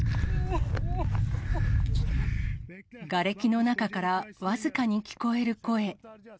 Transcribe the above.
がれきの中から、僅かに聞こえる声。